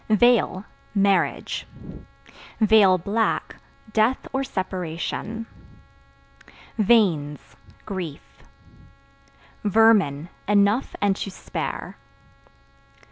Veil Marriage; (black) death or separation. Veins Grief. Vermin Enough and to spare.